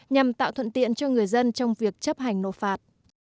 nhằm tạo thuận tiện cho người dân trong việc chấp hành nộp phạt